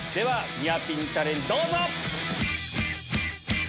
ニアピンチャレンジどうぞ！